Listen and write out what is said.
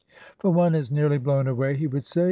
"For one is nearly blown away," he would say.